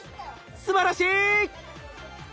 すばらしい！